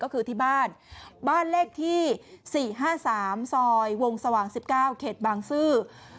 ก็คือที่บ้านบ้านเลขที่๔๕๓ซอยวงสว่าง๑๙เขตบางซื่อ